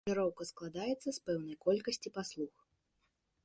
Жыроўка складаецца з пэўнай колькасці паслуг.